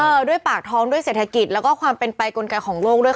ด้วยปากท้องด้วยเศรษฐกิจแล้วก็ความเป็นไปกลไกของโลกด้วยค่ะ